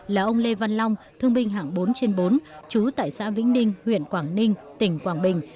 là ông lê văn long thương binh hạng bốn trên bốn trú tại xã vĩnh ninh huyện quảng ninh tỉnh quảng bình